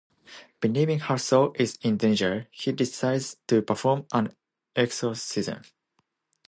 Believing her soul is in danger, he decides to perform an exorcism.